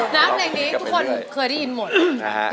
นะครับในนี้ทุกคนเคยได้ยินหมด